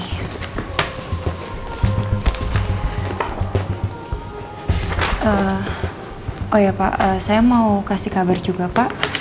oh ya pak saya mau kasih kabar juga pak